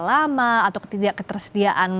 lama atau ketidak ketersediaan